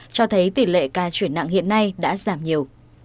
cho thấy tỷ lệ ca chuyển nặng hiện nay đã giảm nhiều